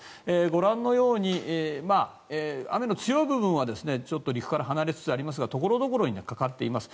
ご覧のように雨の強い部分はちょっと陸から離れつつありますがところどころにかかっています。